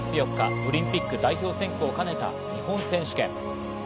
オリンピック代表選考を兼ねた日本選手権。